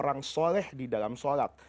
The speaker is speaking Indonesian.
orang soleh di dalam sholat